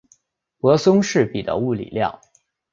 泊松式比的物理量。